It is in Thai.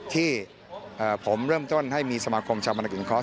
ที่ผมเริ่มต้นให้มีสมชมสงเคราะห์